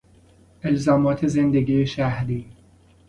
الزامات زندگی شهری